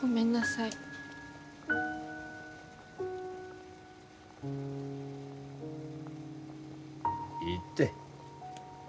いいって。